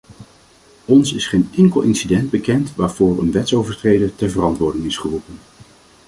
Ons is geen enkel incident bekend waarvoor een wetsovertreder ter verantwoording is geroepen.